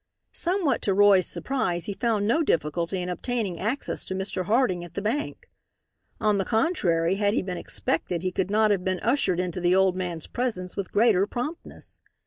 Somewhat to Roy's surprise he found no difficulty in obtaining access to Mr. Harding at the bank. On the contrary, had he been expected he could not have been ushered into the old man's presence with greater promptness.